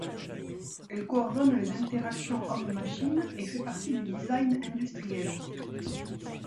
Elle coordonne les interactions homme-machine et fait partie du design industriel.